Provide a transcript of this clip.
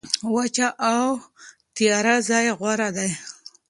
وچه او تیاره ځای غوره دی.